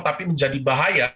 tapi menjadi bahaya